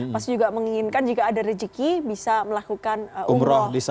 pasti juga menginginkan jika ada rezeki bisa melakukan umroh